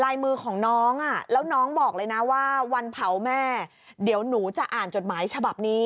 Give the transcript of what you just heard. ลายมือของน้องอ่ะแล้วน้องบอกเลยนะว่าวันเผาแม่เดี๋ยวหนูจะอ่านจดหมายฉบับนี้